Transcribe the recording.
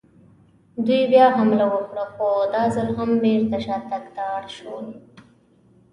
دوی بیا حمله وکړه، خو دا ځل هم بېرته شاتګ ته اړ شول.